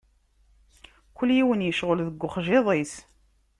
Kul yiwen icɣel deg uxjiḍ-is.